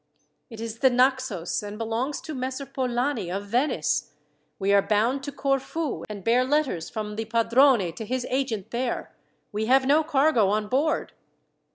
"It is the Naxos, and belongs to Messer Polani of Venice. We are bound to Corfu, and bear letters from the padrone to his agent there. We have no cargo on board."